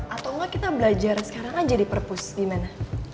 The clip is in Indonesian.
atau enggak kita belajar sekarang aja di purpus gimana